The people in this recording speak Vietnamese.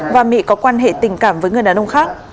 và mỹ có quan hệ tình cảm với người đàn ông khác